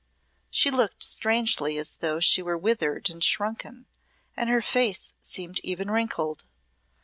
She looked strangely as though she were withered and shrunken, and her face seemed even wrinkled.